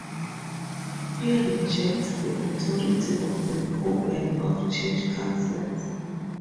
He rejects the authority of the Pope and of church councils.